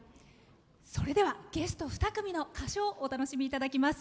それではゲスト２組の歌唱をお楽しみいただきます。